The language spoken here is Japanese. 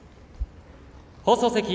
放送席。